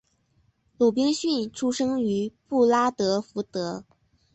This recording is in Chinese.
鲁宾逊出生于布拉德福德。